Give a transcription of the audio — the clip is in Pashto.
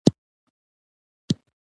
ژوندي د ژوند له شېبو خوند اخلي